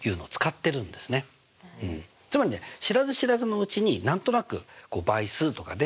つまりね知らず知らずのうちに何となく倍数とかね